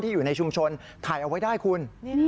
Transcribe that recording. อยู่ในชุมชนถ่ายเอาไว้ได้คุณ